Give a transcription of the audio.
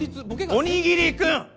おにぎりくん！